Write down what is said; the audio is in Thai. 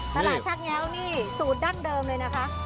ตลาดชักแง้วนี่สูตรดั้งเดิมเลยนะคะ